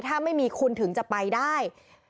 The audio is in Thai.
ถ้าไม่มีคุณถึงจะไปได้